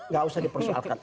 gak usah dipersoalkan